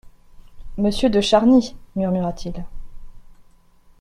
Monsieur de Charny ! murmura-t-il.